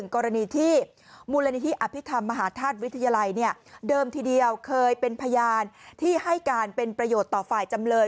กรณีที่มูลนิธิอภิษฐรรมมหาธาตุวิทยาลัยเดิมทีเดียวเคยเป็นพยานที่ให้การเป็นประโยชน์ต่อฝ่ายจำเลย